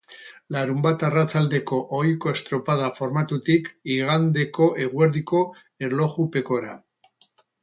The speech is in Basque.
Larunbat arratsaldeko ohiko estropada formatutik igandeko eguerdiko erlojupekora.